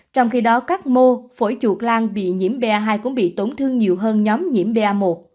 trong khi đó các mô phổi chuột lan bị nhiễm ba hai cũng bị tổn thương nhiều hơn nhóm nhiễm ba